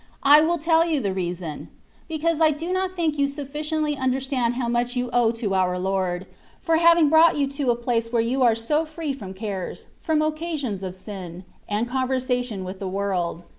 I will tell you the reason : because I do not think you suflSciently understand how much you owe to our Lord, for having brought you to a place where you are so free from cares, from occasions of sin, and conversation with the world.